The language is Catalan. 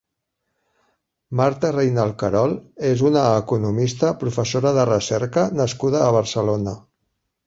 Marta Reynal-Querol és una economista, professora de recerca nascuda a Barcelona.